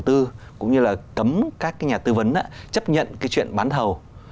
đầu tư cũng như là cấm các cái nhà tư vấn chấp nhận cái chuyện bán thầu